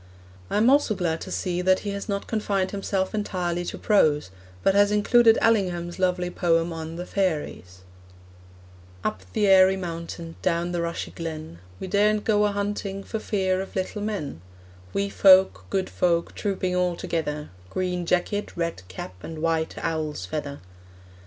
I am also glad to see that he has not confined himself entirely to prose, but has included Allingham's lovely poem on The Fairies: Up the airy mountain, Down the rushy glen, We daren't go a hunting For fear of little men; Wee folk, good folk, Trooping all together; Green jacket, red cap, And white owl's feather!